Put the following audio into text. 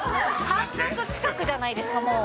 半額近くじゃないですか、もう。